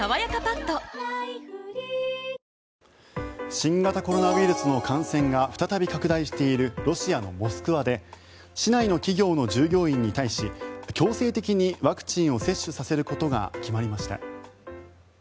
新型コロナウイルスの感染が再び拡大しているロシアのモスクワで市内の企業の従業員に対し強制的にワクチンを接種させることが決まりました。